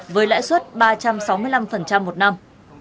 với lãi suất ba trăm sáu mươi năm một năm